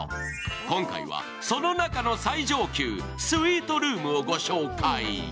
今回は、その中の最上級、スイートルームをご紹介。